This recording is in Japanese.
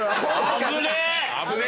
危ねえな！